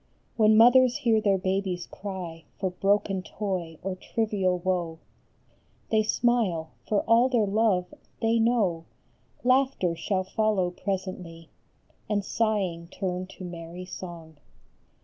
When mothers hear their babies cry For broken toy or trivial woe, They smile, for all their love, they know Laughter shall follow presently, And sighing turn to merry song.